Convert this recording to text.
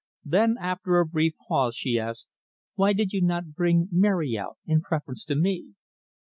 Then, after a brief pause, she asked, "Why did you not bring Mary out in preference to me?"